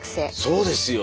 そうですよ。